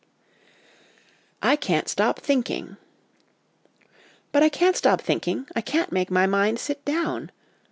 'I can't stop thinking.' 'But I can't stop thinking ; I can't make my mind sit down